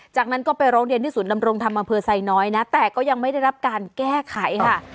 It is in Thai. จากนั้นก็ไปร้องเรียนที่ศูนย์ดำรงธรรมอำเภอไซน้อยนะแต่ก็ยังไม่ได้รับการแก้ไขค่ะ